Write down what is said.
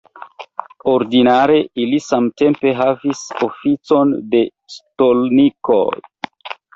Ordinare ili samtempe havis oficon de stolnikoj.